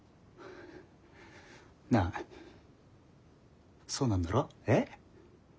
なあそうなんだろ？え？